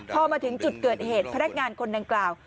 พอมาถึงจุดเกิดเหตุพนักงานคนดังกล่าว